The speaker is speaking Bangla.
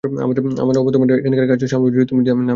আমার অবর্তমানে এখানকার কাজ সামলাবে তুমি যদি আমি না ফিরি।